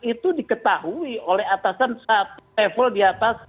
itu diketahui oleh atasan satu level di atas